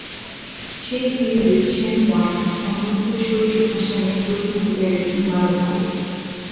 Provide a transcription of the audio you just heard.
সেই সিরিজে Shane Warne স্যামুয়েলসের শরীরী ভাষা নিয়ে প্রশ্ন তুলে গেছেন বারবারই।